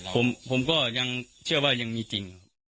ผมก็ยังเชื่อว่ายังมีจริง